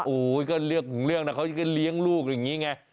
โอ้ก็เอาเรื่องครับเขาเรียงลูกอย่างนี้ไง